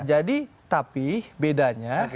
jadi tapi bedanya